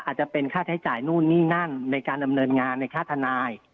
อาจจะเป็นค่าใช้จ่ายนู่นนี่นั่นในการดำเนินงานในค่าทนาย